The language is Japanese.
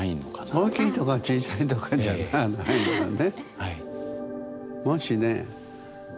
大きいとか小さいとかじゃないのよね。